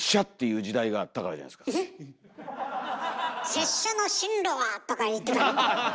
「拙者の進路は」とか言ってたの？